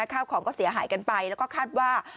ข้าวของก็เสียหายกันไปแล้วก็คาดว่า